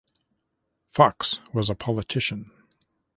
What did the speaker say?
Fox was a politician.